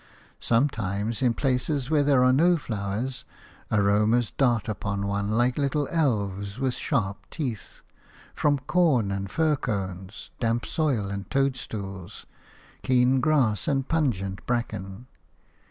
Sometimes, in places where there are no flowers, aromas dart upon one like little elves with sharp teeth, from corn and fir cones, damp soil and toadstools, keen grass and pungent bracken.